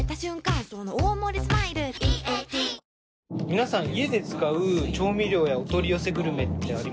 皆さん家で使う調味料やお取り寄せグルメってあります？